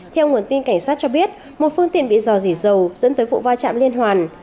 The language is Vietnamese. theo nguồn tin cảnh sát cho biết một phương tiện bị dò dỉ dầu dẫn tới vụ va chạm liên hoàn